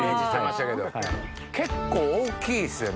結構大っきいっすよね。